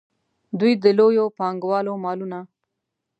دوی د لویو پانګوالو مالونه.